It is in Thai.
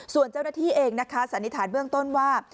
ส่วนเจ้าหน้าที่เองนะคะสันนิษฐานเบื้องต้นว่า